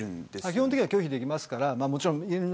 基本的には拒否できますから。